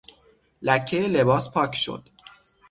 لکهٔ لباس پاک شد.